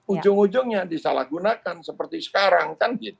ujung ujungnya disalahgunakan seperti sekarang